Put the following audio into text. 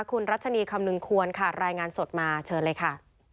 คุณรัชนีคำนึงควรค่ะรายงานสดมาเชิญเลยค่ะ